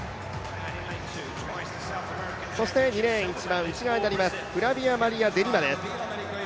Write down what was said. ２レーン、一番内側になります、フラビアマリア・デリマです。